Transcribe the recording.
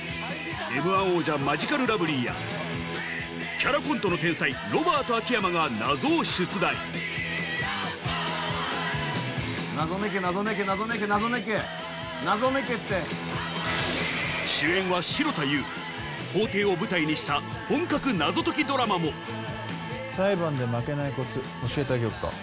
Ｍ−１王者マヂカルラブリーやキャラコントの天才ロバート・秋山が謎を出題法廷を舞台にした本格謎解きドラマも裁判で負けないコツ教えてあげよっか。